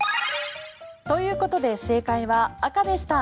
ということで正解は赤でした。